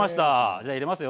じゃあ入れますよ